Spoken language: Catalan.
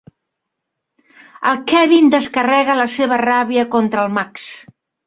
El Kevin descarrega la seva ràbia contra el Max.